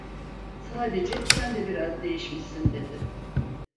Sadece: "Sen de biraz değişmişsin!" dedi.